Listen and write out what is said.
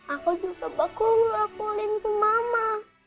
aku juga bakulah pulin ke mama